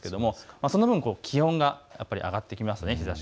そのあと気温が上がってきます。